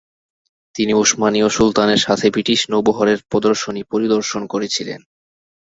তিনি উসমানীয় সুলতানের সাথে ব্রিটিশ নৌবহরের প্রদর্শনী পরিদর্শন করেছিলেন।